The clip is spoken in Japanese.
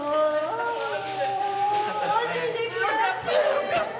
よかった！